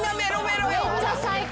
めっちゃ最高。